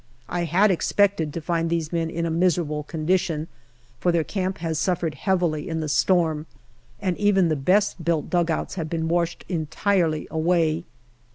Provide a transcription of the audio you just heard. I had expected to find these men in a miserable condition, for their camp has suffered heavily in the storm, and even the best built dugouts have been washed entirely away.